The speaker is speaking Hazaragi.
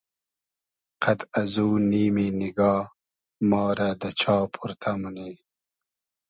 قئد ازو نیمی نیگا ما رۂ دۂ چا پۉرتۂ مونی